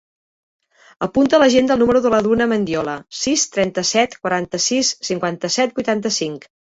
Apunta a l'agenda el número de la Duna Mendiola: sis, trenta-set, quaranta-sis, cinquanta-set, vuitanta-cinc.